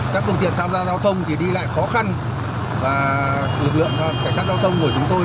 các phương tiện tham gia giao thông thì đi lại khó khăn và lực lượng cảnh sát giao thông của chúng tôi